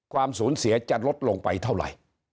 ความสูญเสียจะลดลงไปเท่าไหร่